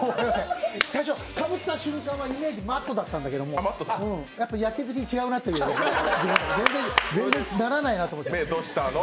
最初、かぶった瞬間はイメージ、Ｍａｔｔだったんだけどやっていくうちに違うなという、全然ならないなと思って。